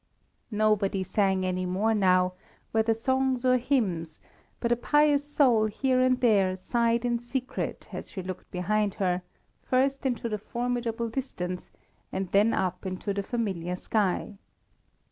Nobody sang any more now, whether songs or hymns, but a pious soul here and there sighed in secret as she looked behind her, first into the formidable distance, and then up into the familiar sky.